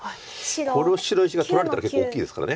この白石が取られたら結構大きいですから。